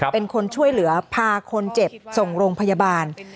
เป็นคนช่วยเหลือพาคนเจ็บส่งโรงพยาบาล